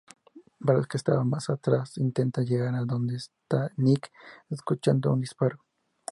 Brass que estaba más atrás intenta llegar a donde está Nick, escuchando un disparo.